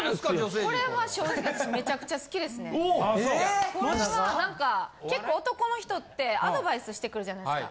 これは何か結構男の人ってアドバイスしてくるじゃないですか。